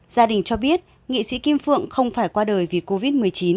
gia đình cho biết nghị sĩ kim phượng không phải qua đời vì covid một mươi chín